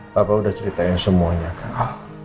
papa udah ceritain semuanya kak